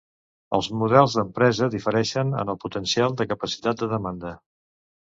Els models d'empresa difereixen en el potencial de capacitat de demanda.